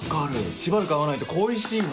しばらく会わないと恋しいのよ。